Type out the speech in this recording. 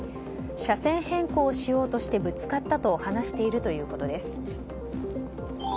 車線変更をしようとしてぶつかったと話しているということです。